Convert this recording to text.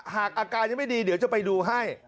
หากอาการยังไม่ดีเดี๋ยวจะไปดูให้